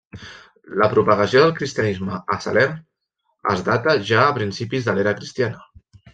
La propagació del cristianisme a Salern es data ja a principis de l'era cristiana.